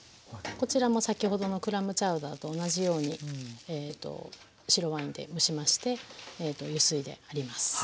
こちらも先ほどのクラムチャウダーと同じように白ワインで蒸しましてゆすいであります。